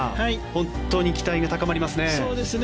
本当に期待が高まりますね。